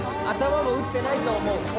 「頭も打ってないと思う」